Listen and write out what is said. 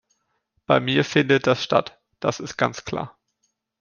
Bei mir findet das statt, das ist ganz klar.